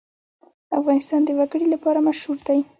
افغانستان د وګړي لپاره مشهور دی.